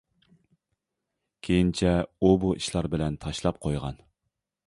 كېيىنچە ئۇ-بۇ ئىشلار بىلەن تاشلاپ قويغان.